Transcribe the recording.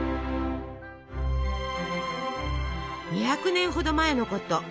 ２００年ほど前のこと。